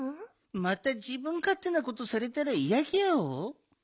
またじぶんかってなことされたらいやギャオ。